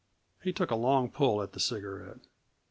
He took a long pull at the cigarette.